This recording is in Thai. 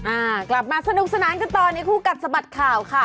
อ่ากลับมาสนุกสนานกันต่อในคู่กัดสะบัดข่าวค่ะ